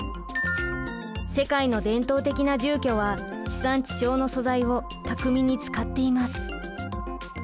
世界の伝統的な住居は地産地消の素材を巧みに使っています。